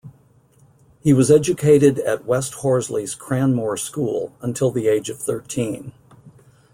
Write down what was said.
He was educated at West Horsley's Cranmore School, until the age of thirteen.